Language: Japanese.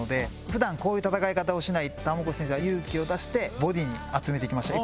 普段こういう戦い方をしない玉越選手は勇気を出してボディに集めて行きました。